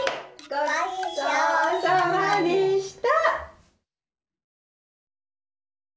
ごちそうさまでした。